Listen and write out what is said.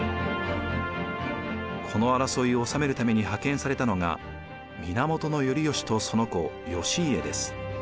この争いを収めるために派遣されたのが源頼義とその子義家です。